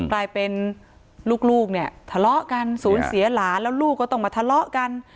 กลายเป็นลูกเนี่ยทะเลาะกันสูญเสียหลานแล้วลูกก็ต้องมาทะเลาะกัน